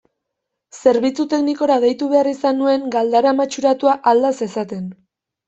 Zerbitzu teknikora deitu behar izan nuen galdara matxuratua alda zezaten.